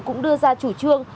cũng đưa ra chủ trương